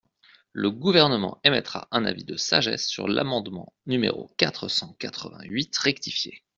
Le Gouvernement émettra un avis de sagesse sur l’amendement numéro quatre cent quatre-vingt-huit rectifié.